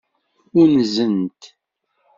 Unzent.